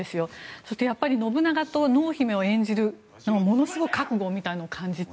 そして、やっぱり信長と濃姫を演じるものすごく覚悟みたいなものを感じて。